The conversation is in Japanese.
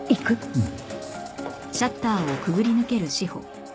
うん。